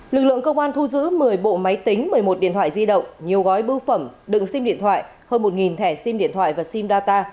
lực lượng công an thu giữ một mươi bộ máy tính một mươi một điện thoại di động nhiều gói bưu phẩm đựng sim điện thoại hơn một thẻ sim điện thoại và sim data